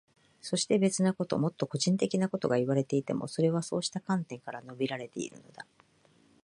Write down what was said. そして、別なこと、もっと個人的なことがいわれていても、それはそうした観点から述べられているのだ。